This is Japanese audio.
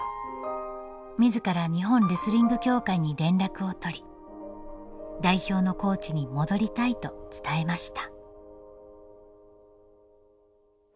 自ら日本レスリング協会に連絡を取り代表のコーチに戻りたいと伝えました。